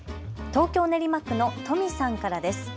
東京練馬区のトミさんからです。